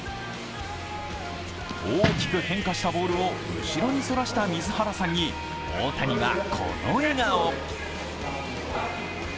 大きく変化したボールを後ろにそらした水原さんに大谷は、この笑顔。